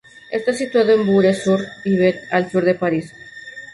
Está situado en Bures-sur-Yvette al sur de París.